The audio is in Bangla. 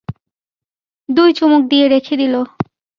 দুই চুমুক দিয়ে রেখে দিল।